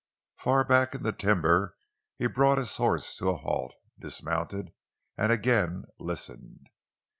Far back in the timber he brought his horse to a halt, dismounted, and again listened.